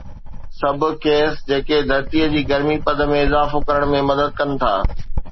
سڀ گيس جيڪي ڌرتيء جي گرمي پد ۾ اضافو ڪرڻ ۾ مدد ڪن ٿيون